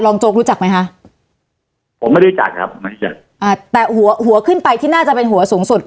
โจ๊กรู้จักไหมคะผมไม่รู้จักครับไม่รู้จักอ่าแต่หัวหัวขึ้นไปที่น่าจะเป็นหัวสูงสุด